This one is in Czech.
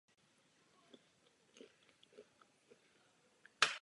Svoji fotbalovou kariéru začal ve Vinohradech nad Váhom.